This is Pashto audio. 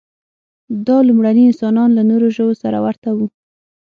دا لومړني انسانان له نورو ژوو سره ورته وو.